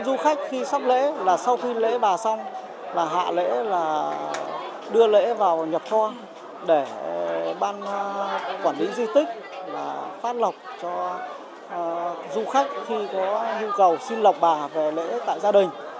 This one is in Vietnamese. và hạ lễ là đưa lễ vào nhập kho để ban quản lý di tích phát lọc cho du khách khi có nhu cầu xin lọc bà về lễ tại gia đình